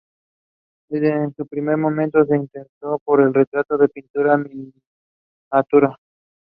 His first job was directly from school at Heinz.